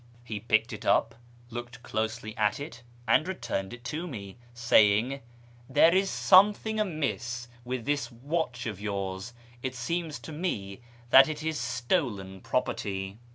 He picked it up, looked closely at it, and returned it to me, saying, " There is something amiss with this watch of yours ; it seems to me that it is stolen property."